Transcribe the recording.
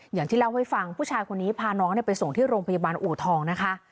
อย่างที่เล่าให้ฟังผู้ชายคนนี้พาน้องไปส่งที่โรงพยาบาลอูทองนะคะ